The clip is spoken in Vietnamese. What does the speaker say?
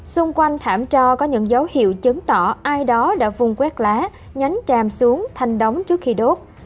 xung quanh thảm trò có những dấu hiệu chứng tỏ ai đó đã vung quét lá nhánh tràm xuống thanh đóng trước khi đốt